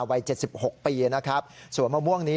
พระขู่คนที่เข้าไปคุยกับพระรูปนี้